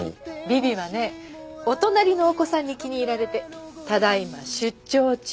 ビビはねお隣のお子さんに気に入られてただ今出張中。